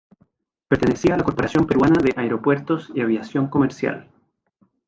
Pertenecía a la Corporación Peruana de Aeropuertos y Aviación Comercial.